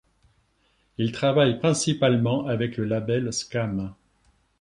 Il travaille principalement avec le label Skam.